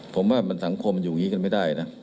ผมว่ามันสังคมอยู่อย่างนี้กันไม่ได้นะ